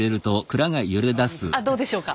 どうでしょうか？